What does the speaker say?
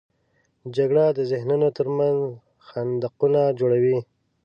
جګړه د ذهنونو تر منځ خندقونه جوړوي